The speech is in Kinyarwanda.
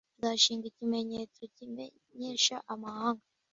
Azashinga ikimenyetso kimenyesha amahanga,